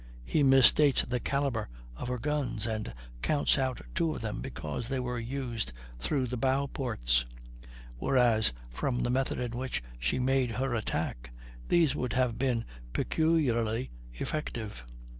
He misstates the calibre of her guns, and counts out two of them because they were used through the bow ports; whereas, from the method in which she made her attack, these would have been peculiarly effective.